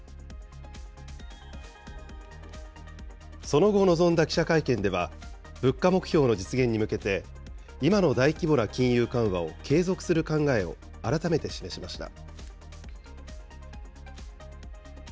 その後臨んだ記者会見では、物価目標の実現に向けて、今の大規模な金融緩和を継続する考えを改めて示しました。